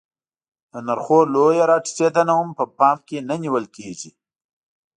د نرخو لویه راټیټېدنه هم په پام کې نه نیول کېږي